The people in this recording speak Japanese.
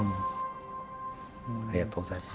ありがとうございます。